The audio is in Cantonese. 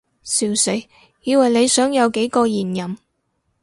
笑死，以為你想有幾個現任